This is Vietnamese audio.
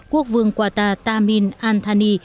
quốc vương quata tamim antani